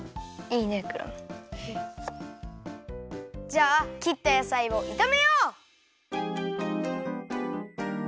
じゃあきったやさいをいためよう！